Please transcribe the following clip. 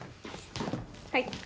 はい。